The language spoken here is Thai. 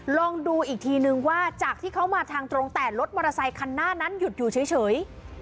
ลองดูอีกทีนึงว่าจากที่เขามาทางตรงแต่รถมอเตอร์ไซคันหน้านั้นหยุดอยู่เฉย